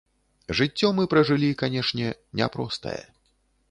Жыццё мы пражылі, канешне, няпростае.